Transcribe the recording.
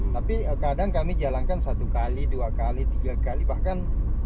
tapi kadang kami jalankan satu x dua x tiga x bahkan sampai lima x satu bulan